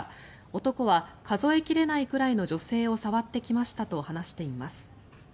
男は数え切れないくらいの女性を触ってきましたと話しています。